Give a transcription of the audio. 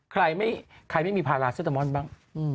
ใครไม่มีพาราเซตามอนบ้าง